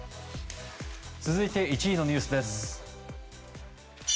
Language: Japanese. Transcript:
続いて１位のニュースです。